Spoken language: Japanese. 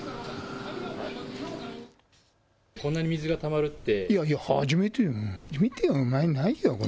こんなに水がたまるって？